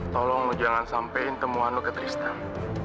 tolong lo jangan sampein temuan lo ke tristan